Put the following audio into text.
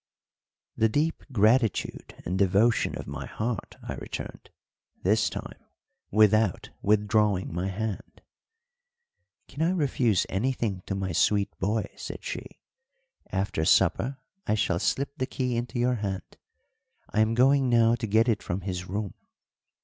"The deep gratitude and devotion of my heart," I returned, this time without withdrawing my hand. "Can I refuse anything to my sweet boy?" said she. "After supper I shall slip the key into your hand; I am going now to get it from his room.